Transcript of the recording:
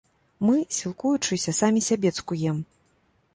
Мы, сілкуючыся, самі сябе цкуем!